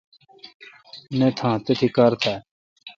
نہ تھان تتھی کار تھال۔